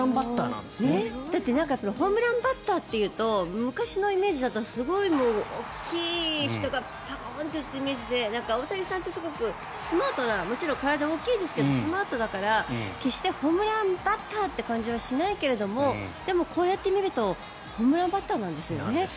ホームランバッターというと昔のイメージだとすごい大きい人がパコーンって打つような感じで大谷さんってすごくスマートなもちろん体、大きいですけどスマートだから決してホームランバッターって感じはしないけどもでも、こうやって見るとホームランバッターなんですよね。